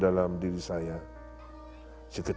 dan halten mobilble tidak hanya dari musim hujan